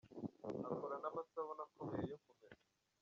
Akora n’ amasabune akomeye yo kumesa.